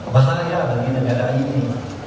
masalahnya bagi negara ini